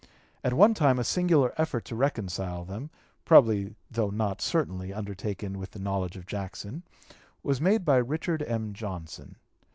At one time a singular effort to reconcile them probably though not certainly undertaken with the knowledge of Jackson was made by Richard M. Johnson.